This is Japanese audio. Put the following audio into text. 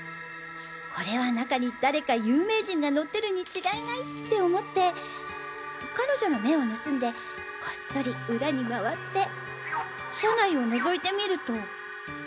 これは中に誰か有名人が乗ってるに違いないって思って彼女の目を盗んでこっそり裏に回って車内をのぞいてみると。